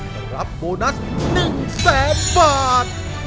แต่รับโบนัส๑๐๐๐บาท